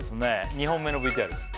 ２本目のＶＴＲです